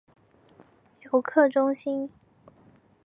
游客中心